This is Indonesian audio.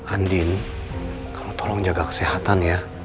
andiin kamu tolong jaga kesehatan ya